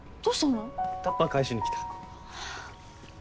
タッパー返しに来た。